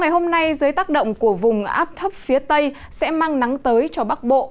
hôm nay dưới tác động của vùng áp thấp phía tây sẽ mang nắng tới cho bắc bộ